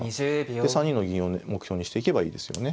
で３二の銀を目標にしていけばいいですよね。